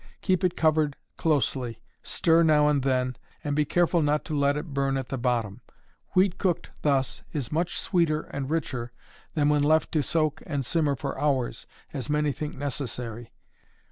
Keep it covered closely, stir now and then, and be careful not to let it burn at the bottom. Wheat cooked thus is much sweeter and richer than when left to soak and simmer for hours, as many think necessary.